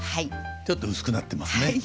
ちょっと薄くなってますね。